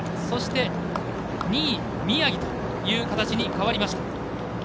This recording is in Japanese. そして、２位宮城という形に変わりました。